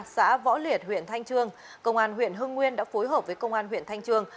xã võ liệt huyện thanh trương công an huyện hưng nguyên đã phối hợp với công an huyện thanh trương